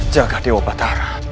jaga dewa batara